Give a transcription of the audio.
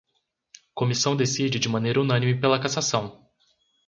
Comissão decide de maneira unânime pela cassação